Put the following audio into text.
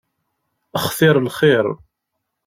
Xtir lxir.